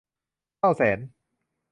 เศร้าแสน